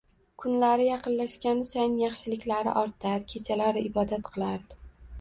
Kunlar yaqinlashgani sayin yaxshiliklari ortar, kechalari ibodat qilardi